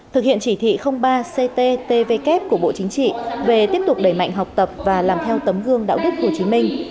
thực hiện chỉ thị ba cttvk của bộ chính trị về tiếp tục đẩy mạnh học tập và làm theo tấm gương đạo đức hồ chí minh